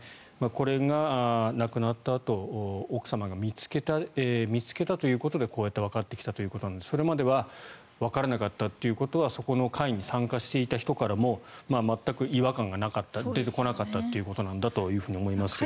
これが亡くなったあと奥様が見つけたということでこうやってわかってきたということなのでそれまではわからなかったということはそこの会に参加していた人からも全く違和感がなかった出てこなかったということだと思いますが。